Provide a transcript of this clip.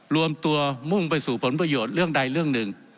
รวมตัวมุ่งไปสู่ผลประโยชน์เรื่องใดเรื่องหนึ่ง